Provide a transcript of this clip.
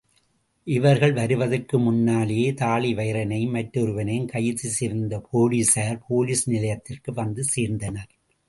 இவர்கள் வருவதற்கு முன்னாலேயே தாழிவயிறனையும், மற்றொருவனையும் கைது செய்துவந்த போலீஸார் போலீஸ் நிலையத்திற்கு வந்து சேர்ந்தனர்.